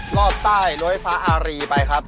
รอดใต้ล้วยฟ้าอารีไปครับ